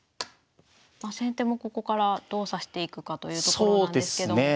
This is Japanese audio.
先手もここからどう指していくかというところなんですけど。